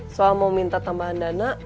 soal mau minta tambahan dana